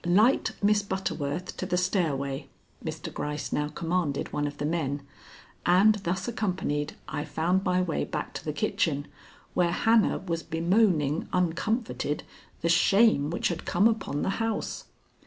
"Light Miss Butterworth to the stairway," Mr. Gryce now commanded one of the men, and thus accompanied I found my way back to the kitchen, where Hannah was bemoaning uncomforted the shame which had come upon the house.